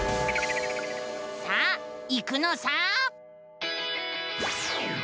さあ行くのさ！